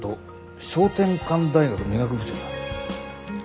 翔天館大学の医学部長だ。